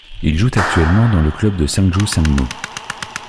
Il joue actuellement dans le club du Sangju Sangmu.